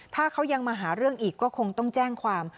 ถ้าเขายังมาหาเรื่องอีกก็คงต้องแจ้งความ